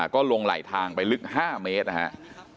ก็ลงไหลทางไปลึก๕เมตรนะครับ